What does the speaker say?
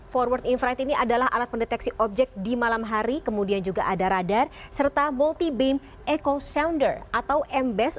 forward in frite ini adalah alat pendeteksi objek di malam hari kemudian juga ada radar serta multi beam echo sounder atau mbes